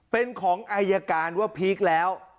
เป็นของอายการว่าพีคแล้ว